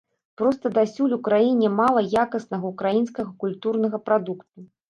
Проста дасюль у краіне мала якаснага ўкраінскага культурнага прадукту.